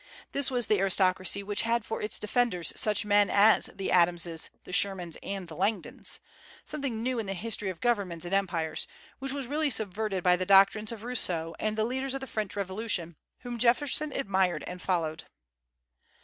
This was the aristocracy which had for its defenders such men as the Adamses, the Shermans, and the Langdons, something new in the history of governments and empires, which was really subverted by the doctrines of Rousseau and the leaders of the French Revolution, whom Jefferson admired and followed.